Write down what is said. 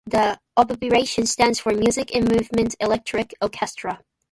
The abbreviation stands for "Music In Movement Electronic Orchestra".